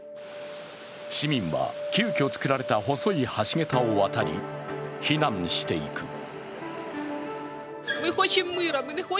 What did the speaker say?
市民は急きょ造られた細い橋げたを渡り、避難していく。